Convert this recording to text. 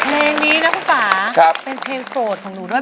เพลงนี้นะคุณป่าเป็นเพลงโสดของหนูด้วย